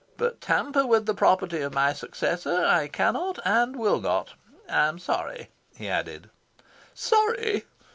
But tamper with the property of my successor I cannot and will not. I am sorry," he added. "Sorry!"